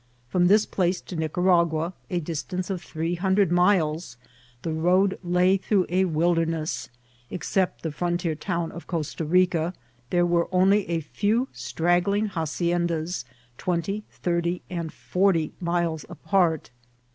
From liiis plaoe to Nicaragua, a distance of three hundred miles, the road lay through a wilderness; except the frontier town of Costa Rica, there were only a few straggling haciendas, twenty, diirty, and fcnrty miles apart.